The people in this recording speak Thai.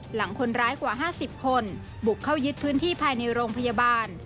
หลังคนร้ายกว่า๕๐คนบุกเข้ายึดพื้นที่ภายในโรงพยาบาล